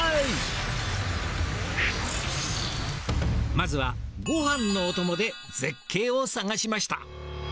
まずはごはんのおともで絶景を探しました！